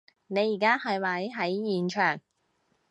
你而家係咪喺現場？